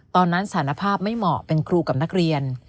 สารภาพไม่เหมาะเป็นครูกับนักเรียน